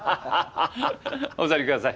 お座りください。